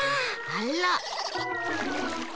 あら。